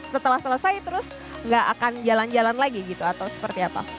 setelah selesai terus nggak akan jalan jalan lagi gitu atau seperti apa